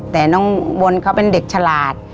แต่น้องบนเขาเป็นเด็กฉลาด